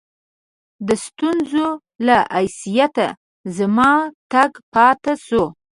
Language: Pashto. د ستونزو له آسیته زما تګ پاته سو.